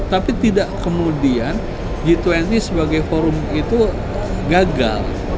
tapi tidak kemudian g dua puluh sebagai forum itu gagal